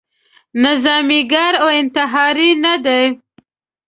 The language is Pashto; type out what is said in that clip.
نظاميګر او انتحاري نه دی.